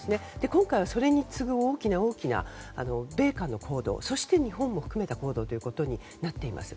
今回はそれに次ぐ大きな米韓の行動そして、日本も含めた行動ということになっています。